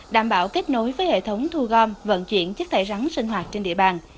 đảm bảo kết nối với hệ thống thu gom vận chuyển chất thải rắn sinh hoạt trên địa bàn